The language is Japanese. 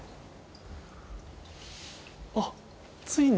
あっついに。